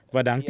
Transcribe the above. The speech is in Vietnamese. và đáng chú ý